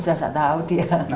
sudah saya tahu dia